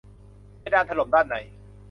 เพดานถล่มด้านใน